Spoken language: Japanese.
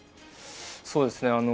そうですね。